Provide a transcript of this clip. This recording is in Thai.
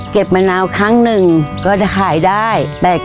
เก็บมะนาวครั้งนึงก็จะขายได้๘๙๐